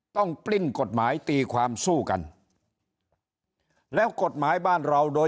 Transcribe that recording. ปลิ้นกฎหมายตีความสู้กันแล้วกฎหมายบ้านเราโดย